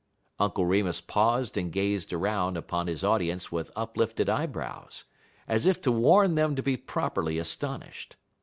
Uncle Remus paused and gazed around upon his audience with uplifted eyebrows, as if to warn them to be properly astonished.